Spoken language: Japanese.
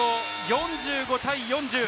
４５対４０。